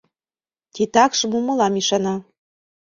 Титакшым умыла Мишана.